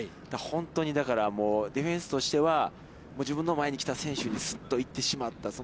本当にだから、ディフェンスとしては、自分の前に来た選手にすっと行ってしまった。